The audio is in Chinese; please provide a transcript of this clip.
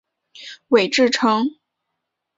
韦志成。